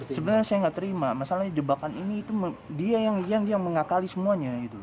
sebenarnya saya nggak terima masalahnya jebakan ini itu dia yang mengakali semuanya